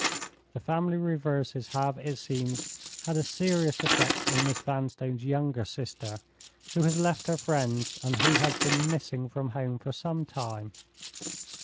The family reverses have, it seems, had a serious effect on Miss Vanstone's younger sister, who has left her friends and who has been missing from home for some time.